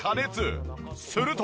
すると。